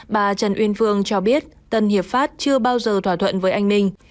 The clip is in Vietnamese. bà trần uyên phương cho biết tân hiệp phát chưa bao giờ thỏa thuận với anh minh